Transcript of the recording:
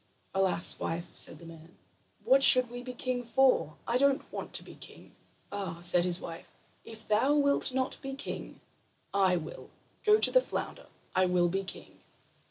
"Alas, wife," said the man, "what should we be king for? I don't want to be king." "Ah," said his wife, "if thou wilt not be king, I will. Go to the flounder. I will be king."